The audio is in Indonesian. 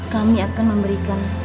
kami akan memberikan